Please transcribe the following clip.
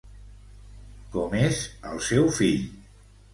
Com és el seu fill?